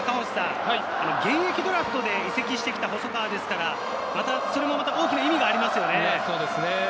現役ドラフトで移籍をしてきた細川ですから、大きな意味がありますね。